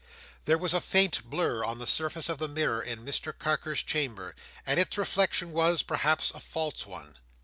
There was a faint blur on the surface of the mirror in Mr Carker's chamber, and its reflection was, perhaps, a false one.